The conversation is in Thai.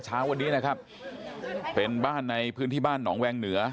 เช้าวันนี้นะครับเป็นบ้านในพื้นที่บ้านหนองแวงเหนือ